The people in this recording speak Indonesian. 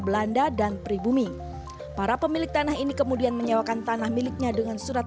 belanda dan pribumi para pemilik tanah ini kemudian menyewakan tanah miliknya dengan surat